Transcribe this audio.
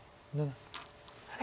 あれ？